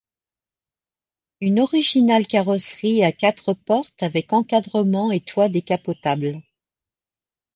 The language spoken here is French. Une originale carrosserie à quatre portes avec encadrement et toit décapotable.